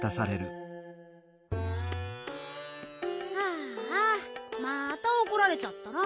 ああまたおこられちゃったな。